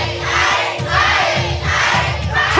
ใช้ใช้ใช้ใช้ใช้